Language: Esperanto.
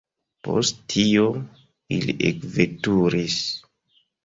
Post tio, ili ekveturis.